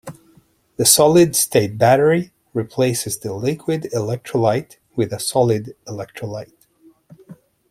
The solid-state battery replaces the liquid electrolyte with a solid electrolyte.